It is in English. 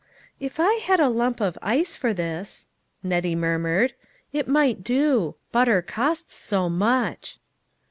"If I had a lump of ice for this," Nettie mur mured, " it might do. Butter costs so much."